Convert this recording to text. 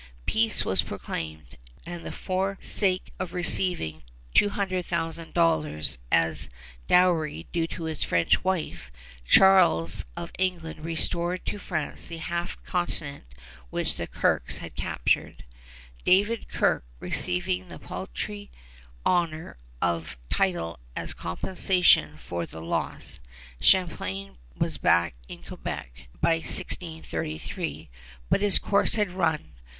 Peace was proclaimed; and for the sake of receiving $200,000 as dowry due his French wife, Charles of England restored to France the half continent which the Kirkes had captured, David Kirke receiving the paltry honor of a title as compensation for the loss. Champlain was back in Quebec by 1633; but his course had run.